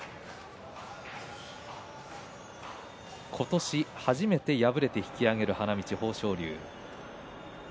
今年、初めて敗れて引き揚げる豊昇龍。